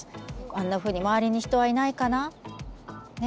あんなふうに周りに人はいないかなね